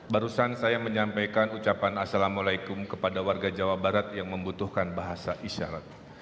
barusan saya menyampaikan ucapan assalamualaikum kepada warga jawa barat yang membutuhkan bahasa isyarat